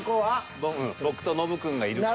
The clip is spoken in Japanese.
僕とノブくんがいるから。